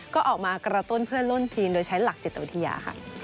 ก็ออกมากระตุ้นเพื่อนร่วมทีมโดยใช้หลักจิตวิทยาค่ะ